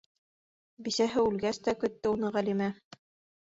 Бисәһе үлгәс тә көттө уны Ғәлимә.